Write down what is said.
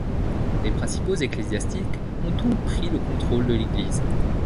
Les principaux ecclésiastiques ont donc pris le contrôle de l'église.